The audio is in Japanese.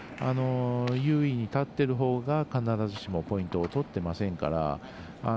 優位に立っているほうが必ずしもポイントを取っていませんから。